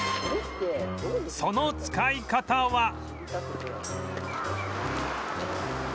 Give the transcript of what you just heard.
その使い方は